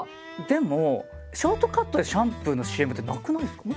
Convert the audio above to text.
でもショートカットでシャンプーのＣＭってなくないですか？